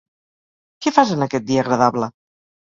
Què fas en aquest dia agradable?